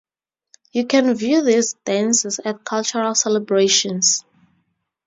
You can view these dances at cultural celebrations.